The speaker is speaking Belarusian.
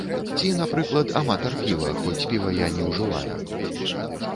Ці, напрыклад, аматар піва, хоць піва я не ўжываю.